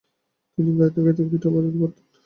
তিনি গান গাইতে এবং গীটারও বাজাতে পারতেন।